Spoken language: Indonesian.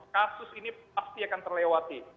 kasus ini pasti akan terlewati